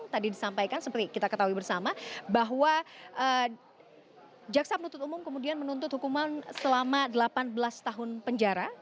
tadi disampaikan seperti kita ketahui bersama bahwa jaksa penuntut umum kemudian menuntut hukuman selama delapan belas tahun penjara